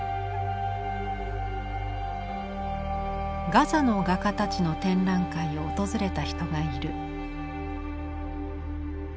ガザの画家たちの展覧会を訪れた人がいる。